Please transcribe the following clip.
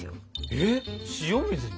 えっ塩水に？